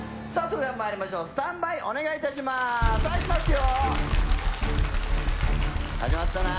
それではまいりましょうスタンバイお願いいたしますさあいきますよ